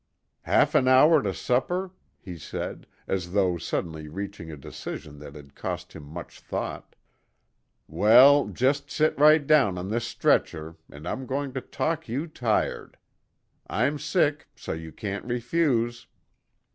"Half an hour to supper?" he said, as though suddenly reaching a decision that had cost him much thought. "Well, just sit right down on this stretcher, and I'm going to talk you tired. I'm sick, so you can't refuse."